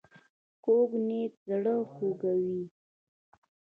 کوږ نیت زړه خوږوي